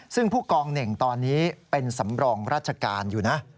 ซึ่งผู้กองเหน่งตอนนี้เป็นสำรองราชการอยู่นะ